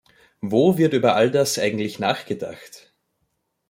Wo wird über all das eigentlich nachgedacht?